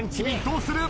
どうする？